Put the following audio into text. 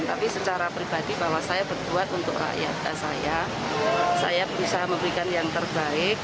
tapi secara pribadi bahwa saya berbuat untuk rakyat saya saya bisa memberikan yang terbaik